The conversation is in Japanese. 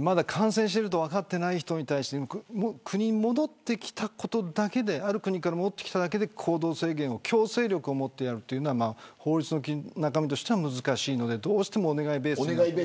まだ感染していると分かっていない人に対してある国から戻ってきただけで行動制限を強制力を持ってやるのは法律の中身としては難しいのでどうしてもお願いベースになります。